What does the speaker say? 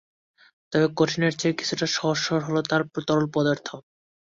তবে কঠিনের চেয়ে কিছুটা সহজ সরল হলো তরল পদার্থ।